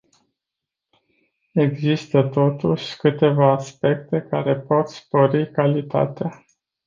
Există totuși câteva aspecte care pot spori calitatea.